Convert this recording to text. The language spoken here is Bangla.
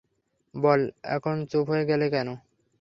বল, এখন চুপ হয়ে গেলে কেন?